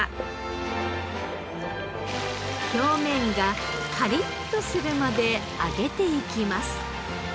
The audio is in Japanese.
表面がカリッとするまで揚げていきます。